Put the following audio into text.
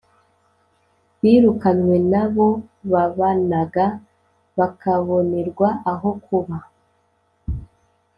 birukanywe n abo babanaga bakabonerwa aho kuba